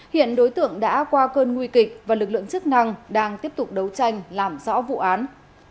hiện đối tượng đã qua cơn nguy kịch và lực lượng chức năng đang tiếp tục đấu tranh làm rõ vụ án